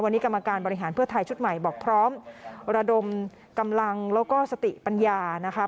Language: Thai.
วันนี้กรรมการบริหารเพื่อไทยชุดใหม่บอกพร้อมระดมกำลังแล้วก็สติปัญญานะคะ